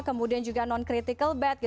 kemudian juga non critical bad